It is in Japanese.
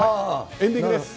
エンディングです。